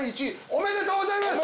おめでとうございます。